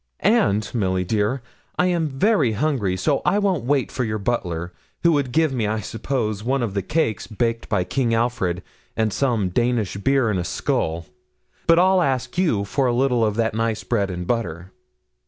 And, Milly dear, I am very hungry, so I won't wait for your butler, who would give me, I suppose, one of the cakes baked by King Alfred, and some Danish beer in a skull; but I'll ask you for a little of that nice bread and butter.'